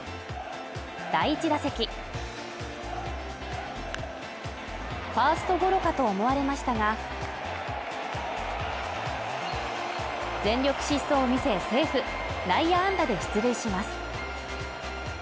第１打席ファーストゴロかと思われましたが全力疾走を見せセーフ内野安打で出塁します